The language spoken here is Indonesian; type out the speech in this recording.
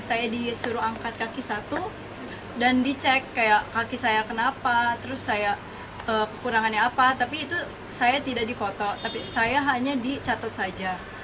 saya disuruh angkat kaki satu dan dicek kayak kaki saya kenapa terus saya kekurangannya apa tapi itu saya tidak di foto tapi saya hanya dicatat saja